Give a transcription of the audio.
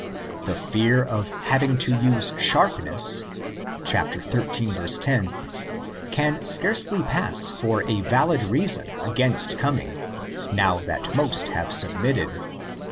The fear of having to use sharpness (xiii. 10) can scarcely pass for a valid reason against coming, now that most have submitted.